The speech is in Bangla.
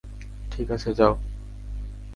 ঠিক আছে যাও!